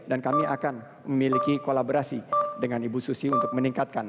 dengan ibu susi untuk meningkatkan